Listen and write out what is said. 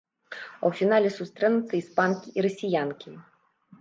А ў фінале сустрэнуцца іспанкі і расіянкі.